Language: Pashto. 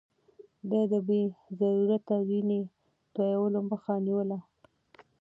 ده د بې ضرورته وينې تويولو مخه نيوله.